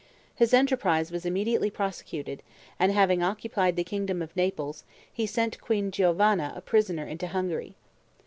His enterprise was immediately prosecuted, and having occupied the kingdom of Naples, he sent Queen Giovanna a prisoner into Hungary.